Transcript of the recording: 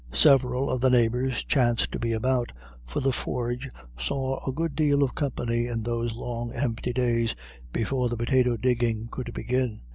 Several of the neighbours chanced to be about, for the forge saw a good deal of company in those long empty days before the potato digging could begin.